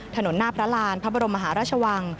ถนนหน้าพระรานพระบรมมหาราชวัง